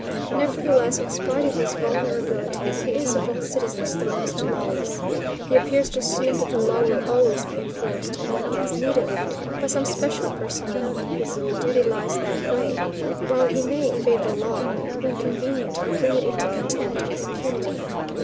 Nevertheless, in spite of his vulnerability, he is of all citizens the most lawless. He appears to assume that the law will always be enforced, when he has need of it, by some special personnel whose duty lies that way, while he may, evade the law, when convenient, or bring it into contempt, with impunity.